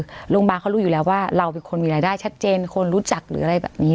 คือโรงพยาบาลเขารู้อยู่แล้วว่าเราเป็นคนมีรายได้ชัดเจนคนรู้จักหรืออะไรแบบนี้